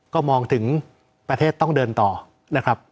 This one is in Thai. ก็มองถึงประเทศต้องเดินต่อนะครับ